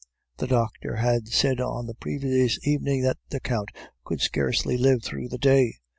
"The doctor had said on the previous evening that the Count could scarcely live through the day.